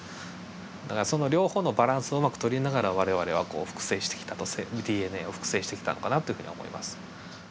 だからその両方のバランスをうまく取りながら我々はこう複製してきたとＤＮＡを複製してきたのかなというふうに思います。